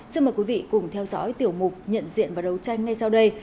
xin mời quý vị cùng theo dõi tiểu mục nhận diện và đấu tranh ngay sau đây